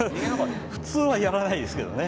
普通はやらないですけどね。